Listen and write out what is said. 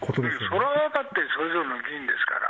それは、だってそれぞれの議員ですから。